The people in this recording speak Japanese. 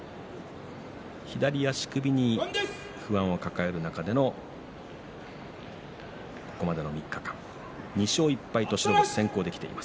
左足首に不安を抱える中でのここまでの３日間、２勝１敗白星先行です。